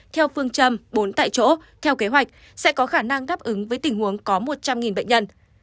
theo phương châm bốn tại chỗ theo kế hoạch sẽ có khả năng đáp ứng với tình huống có một trăm linh bệnh nhân